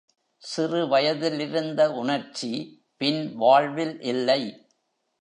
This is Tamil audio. சிறு வயதிலிருந்த உணர்ச்சி பின் வாழ்வில் இல்லை.